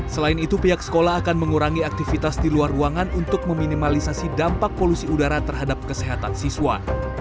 selain itu pihak sekolah akan mengurangi aktivitas di luar ruangan untuk meminimalisasi dampak polusi udara terhadap kesehatan siswa